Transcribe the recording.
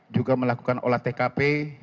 juga melakukan olah tkp